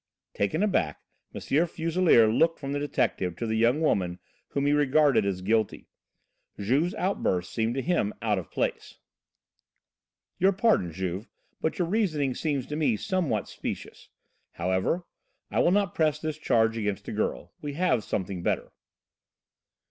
Taken aback, M. Fuselier looked from the detective to the young woman whom he regarded as guilty. Juve's outburst seemed to him out of place. "Your pardon, Juve, but your reasoning seems to me somewhat specious; however, I will not press this charge against the girl; we have something better."